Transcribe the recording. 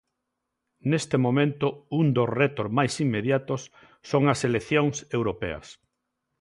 Neste momento un dos retos máis inmediatos son as eleccións europeas.